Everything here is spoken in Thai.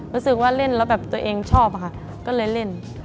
รู้สึกว่าเล่นแล้วแบบตัวเองชอบค่ะก็เลยเล่น